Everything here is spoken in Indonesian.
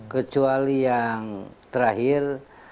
kecuali yang terakhir